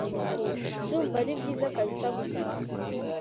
ndumva aribyiza kabsa gapfa